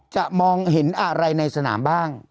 มองเห็นอะไรในสนามบ้าง